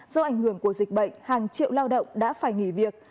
do ảnh hưởng của dịch bệnh hàng triệu lao động đã phải nghỉ việc